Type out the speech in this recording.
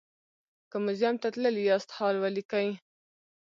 که موزیم ته تللي یاست حال ولیکئ.